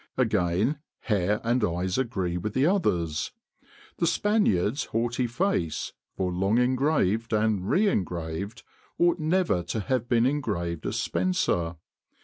Again, hair and eyes agree with the others. The Spaniard's haughty face, for long engraved and re engraved, ought never to have been engraved as Spenser.